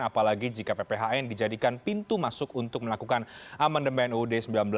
apalagi jika pphn dijadikan pintu masuk untuk melakukan amandemen uud seribu sembilan ratus empat puluh lima